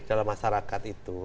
dalam masyarakat itu